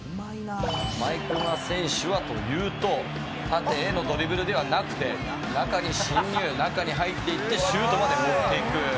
毎熊選手はというと縦へのドリブルではなくて中に進入中に入っていってシュートまで持っていく。